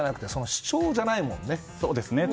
主張じゃないもんね。